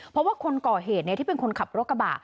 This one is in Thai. เพราะว่าคนก่อเหตุที่เป็นคนขับรถกระบะ